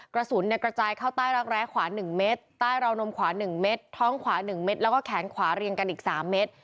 กระสุนกระจายเข้าใต้รักแร้ขวา๑เมตรใต้ราวนมขวา๑เม็ดท้องขวา๑เม็ดแล้วก็แขนขวาเรียงกันอีก๓เม็ด